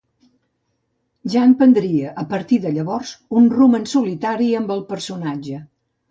Jan prendria a partir de llavors un rumb en solitari amb el personatge.